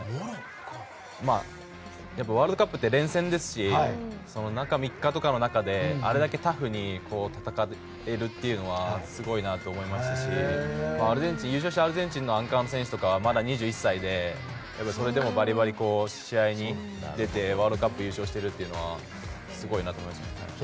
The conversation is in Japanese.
ワールドカップって連戦ですし中３日かとかの中であれだけタフに戦えるというのはすごいなと思いましたし優勝したアルゼンチンのアンカーの選手とかはまだ２１歳で、それでもバリバリ試合に出てワールドカップ優勝してるっていうのはすごいなと思いました。